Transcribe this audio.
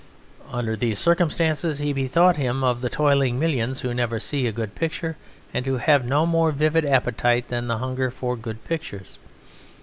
Under these circumstances he bethought him of the toiling millions who never see a good picture and who have no more vivid appetite than the hunger for good pictures.